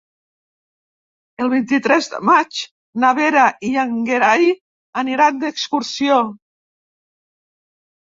El vint-i-tres de maig na Vera i en Gerai aniran d'excursió.